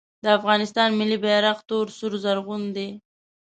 د افغانستان ملي بیرغ تور سور زرغون دی